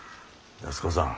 安子さん。